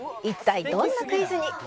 「一体どんなクイズに？」